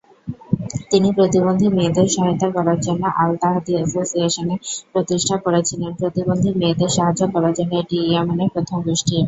তিনি প্রতিবন্ধী মেয়েদের সহায়তা করার জন্য আল-তাহাদি অ্যাসোসিয়েশনের প্রতিষ্ঠা করেছিলেন, প্রতিবন্ধী মেয়েদের সাহায্য করার জন্য এটি ইয়েমেনের প্রথম গোষ্ঠী।